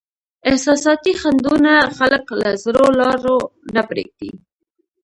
احساساتي خنډونه خلک له زړو لارو نه پرېږدي.